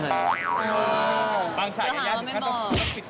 อย่าหาว่าไม่บอก